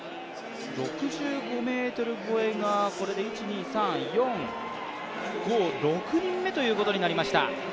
６５ｍ超えが、これで６人目ということになりました。